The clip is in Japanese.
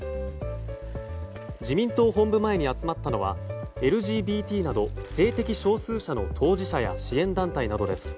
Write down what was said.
自民党本部前に集まったのはＬＧＢＴなど性的少数者の当事者や支援団体などです。